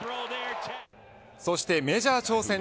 そしてメジャー挑戦